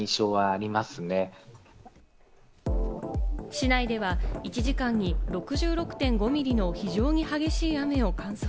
市内では１時間に６６．５ミリの非常に激しい雨を観測。